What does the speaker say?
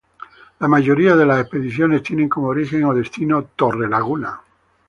La mayoría de las expediciones tienen como origen o destino Torrelaguna.